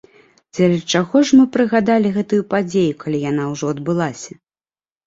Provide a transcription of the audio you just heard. Дзеля чаго ж мы прыгадалі гэтую падзею, калі яна ўжо адбылася?